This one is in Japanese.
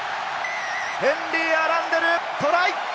ヘンリー・アランデル、トライ！